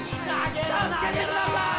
助けてください！